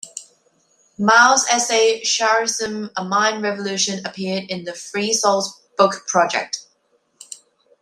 Mao's essay "Sharism: A Mind Revolution" appeared in the Freesouls book project.